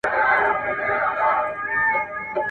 د مينې فضا ناروغي کموي